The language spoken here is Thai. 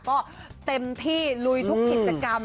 ก็เต็มที่ลุยทุกกิจกรรม